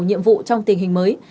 nhiệm vụ trong tình hình mới